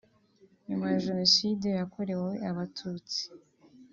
nyuma ya Jenoside yakorewe abatutsi